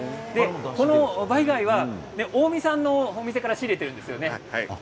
バイ貝は近江さんのお店から仕入れているんですよね。